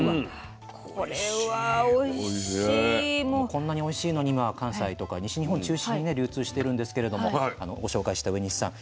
こんなにおいしいのに今は関西とか西日本中心に流通してるんですけれどもご紹介した上西さん